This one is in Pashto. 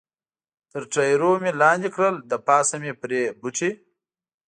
تر ټایرونو مې لاندې کړل، له پاسه مې پرې بوټي.